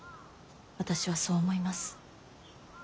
私はそう思います。